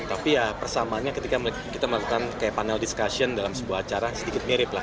tapi ya persamaannya ketika kita melakukan kayak panel discussion dalam sebuah acara sedikit mirip lah